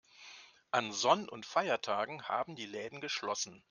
An Sonn- und Feiertagen haben die Läden geschlossen.